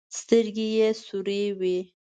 سترګې يې سورې وې.